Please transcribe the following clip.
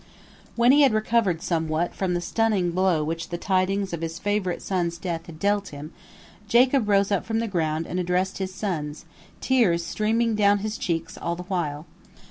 When he had recovered somewhat from the stunning blow which the tidings of his favorite son's death had dealt him, Jacob rose up from the ground and addressed his sons, tears streaming down his cheeks all the while.